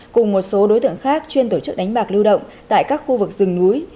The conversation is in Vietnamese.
cùng một số đối tượng khác chuyên tổ chức đánh bạc lưu động tại các khu vực rừng núi